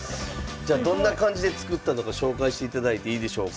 じゃどんな感じで作ったのか紹介していただいていいでしょうか。